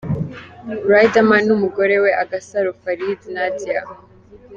Riderman n'umugore we; Agasaro Farid Nadia.